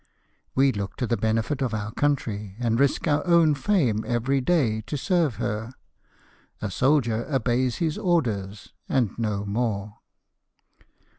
We look to the benefit of our country, and risk our own fame every day to serve her — a soldier obeys his orders, and no more."